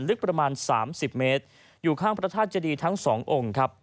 ลึกประมาณ๓๐เมตรอยู่ข้างพระธาตุเจดีทั้งสององค์ครับ